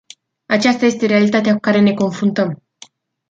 Aceasta este realitatea cu care ne confruntăm.